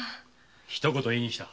一言言いに来た。